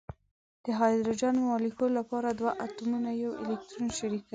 د هایدروجن مالیکول لپاره دوه اتومونه یو الکترون شریکوي.